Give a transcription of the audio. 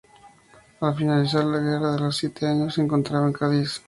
Al finalizar la Guerra de los Siete Años, se encontraba en Cádiz.